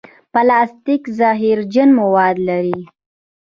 پلاستيک زهرجن مواد لري.